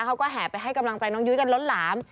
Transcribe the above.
แห่ไปให้กำลังใจน้องยุ้ยกันล้นหลาม